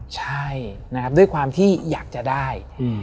ใช่ด้วยความที่อยากจะได้